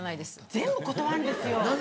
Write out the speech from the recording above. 全部断るんですよ。